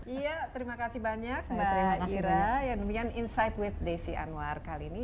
iya terima kasih banyak mbak gira ya demikian insight with desi anwar kali ini